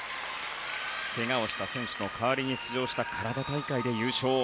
怪我をした選手の代わりに出場したカナダ大会で優勝。